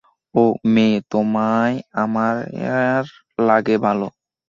ও মেয়ে, তোমায় আমার লাগে ভালো।